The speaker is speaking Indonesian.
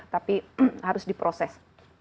tapi harus diproses